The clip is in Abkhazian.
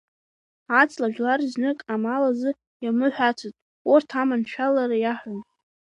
Аҵла жәлар знык амал азы иамыҳәацызт, урҭ аманшәалара иаҳәон.